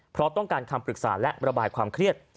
เพราะต้องการคำปรึกษาและระบายความเครียด